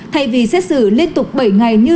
thay vì xét xử liên tục bảy ngày như